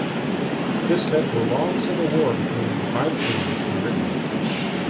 This led to a long civil war between five kings in Britain.